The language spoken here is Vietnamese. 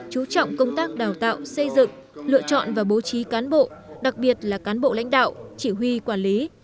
chú trọng công tác đào tạo xây dựng lựa chọn và bố trí cán bộ đặc biệt là cán bộ lãnh đạo chỉ huy quản lý